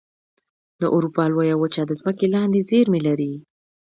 د اروپا لویه وچه د ځمکې لاندې زیرمې لري.